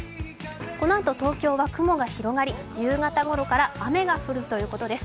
このあと東京は雲が広がり、夕方ごろから雨が降るということです。